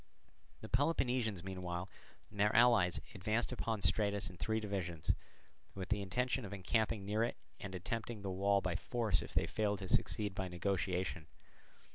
The Peloponnesians meanwhile and their allies advanced upon Stratus in three divisions, with the intention of encamping near it and attempting the wall by force if they failed to succeed by negotiation.